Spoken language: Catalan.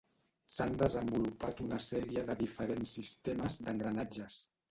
S'han desenvolupat una sèrie de diferents sistemes d'engranatges.